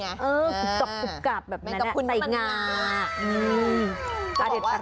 มันกลับแบบนั้นแหละใส่งา